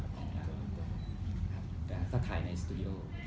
แต่ถ้าถ่ายในสตูดิโอ